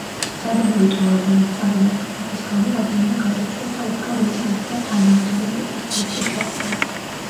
სადებიუტო ალბომის წარუმატებლობის გამო ადელმა გადაწყვიტა უფრო რიტმული და თანამედროვე ტიპის დისკის ჩაწერა.